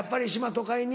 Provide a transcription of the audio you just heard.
都会に。